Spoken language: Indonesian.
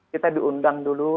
kita diundang dulu